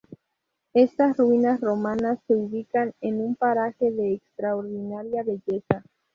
Estas ruinas romanas se ubican en un paraje de extraordinaria belleza.